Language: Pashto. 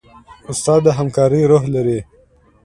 استاد د همکارۍ روح لري.